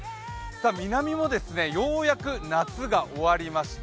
南もようやく夏が終わりました。